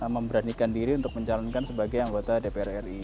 memberanikan diri untuk mencalonkan sebagai anggota dpr ri